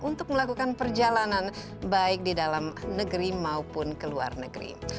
untuk melakukan perjalanan baik di dalam negeri maupun ke luar negeri